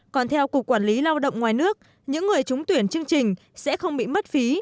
còn theo cục quản lý lao động ngoài nước những người trúng tuyển chương trình sẽ không bị mất phí